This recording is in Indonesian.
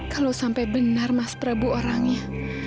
kalau sampai benar mas prabu orangnya